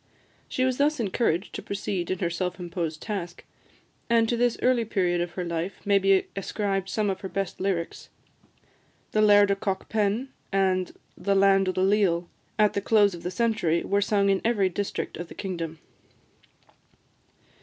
She was thus encouraged to proceed in her self imposed task; and to this early period of her life may be ascribed some of her best lyrics. "The Laird o' Cockpen," and "The Land o' the Leal," at the close of the century, were sung in every district of the kingdom.